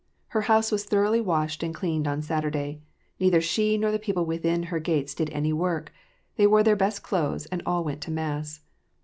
Her house was thoroughly washed and cleaned on Saturday ; neither she nor the people within her gates did any work ; they wore their best clothes, and all went to mass.